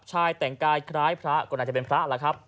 แต่งกายคล้ายพระก็น่าจะเป็นพระล่ะครับ